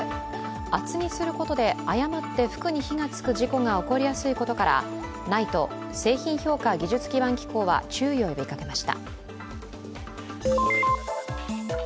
厚着することで誤って服に火がつく事故が起こりやすいことからＮＩＴＥ＝製品評価技術基盤機構は注意を呼びかけました。